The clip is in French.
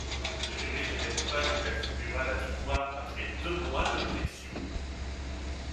Le jury de l'épreuve lui attribuera la victoire après deux mois de réflexion.